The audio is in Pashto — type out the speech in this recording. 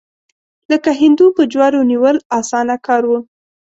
لکه هندو په جوارو نیول، اسانه کار و.